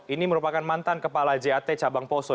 ini merupakan mantan kepala jat cabang poso